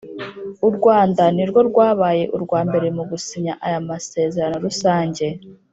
U Rwanda nirwo rwabaye urwa mbere mu gusinya aya masezerano rusange